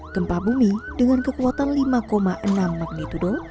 gempa bumi dengan kekuatan lima enam magnitudo